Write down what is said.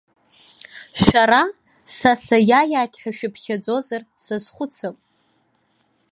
Шәара са саиааит ҳәа шәыԥхьаӡозар, сазхәыцып.